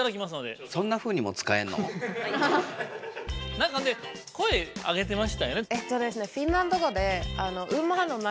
なんかね声上げてましたよね。